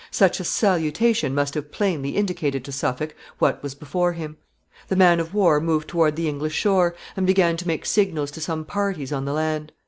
Such a salutation must have plainly indicated to Suffolk what was before him. The man of war moved toward the English shore, and began to make signals to some parties on the land.